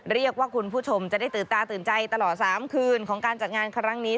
คุณผู้ชมจะได้ตื่นตาตื่นใจตลอด๓คืนของการจัดงานครั้งนี้